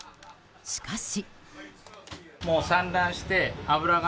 しかし。